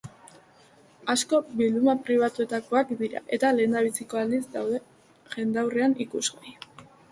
Asko bilduma pribatuetakoak dira eta lehendabiziko aldiz daude jendaurreran ikusgai.